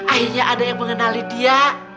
akhirnya ada yang mengenali dia